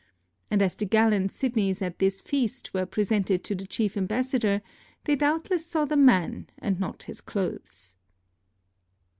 And as the gallant Sidneys at this feast were presented to the chief ambassador, they doubtless saw the man and not his clothes.